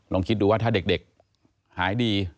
ลองคิดดูว่าถ้าเด็กหายดี